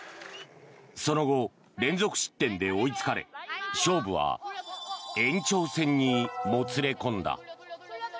その後、連続失点で追いつかれ勝負は延長戦にもつれ込んだ。